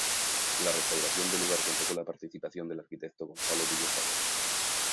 La restauración del lugar contó con la participación del arquitecto Gonzalo Villa Chávez.